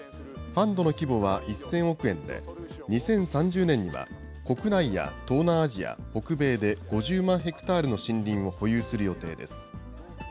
ファンドの規模は１０００億円で、２０３０年には国内や東南アジア、北米で５０万ヘクタールの森林を保有する予定です。